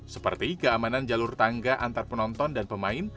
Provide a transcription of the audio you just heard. seperti keamanan jalur tangga antar penonton dan pemain